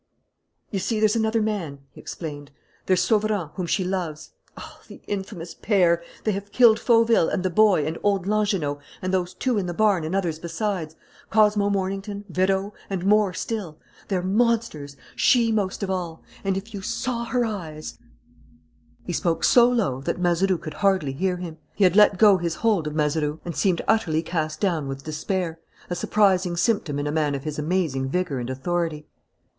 "You see, there's another man," he explained. "There's Sauverand, whom she loves. Oh, the infamous pair! They have killed Fauville and the boy and old Langernault and those two in the barn and others besides: Cosmo Mornington, Vérot, and more still. They are monsters, she most of all And if you saw her eyes " He spoke so low that Mazeroux could hardly hear him. He had let go his hold of Mazeroux and seemed utterly cast down with despair, a surprising symptom in a man of his amazing vigour and authority.